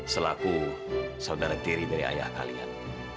selaku saudara tiri dari ayah kalian